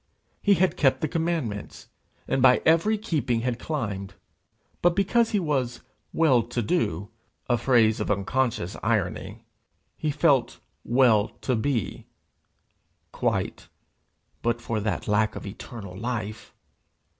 He had kept the commandments, and by every keeping had climbed. But because he was well to do a phrase of unconscious irony he felt well to be quite, but for that lack of eternal life!